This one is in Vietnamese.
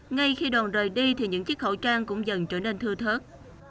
ngay khi đoàn rời đi thì những chiếc khẩu trang cũng dần trở nên thưa thớt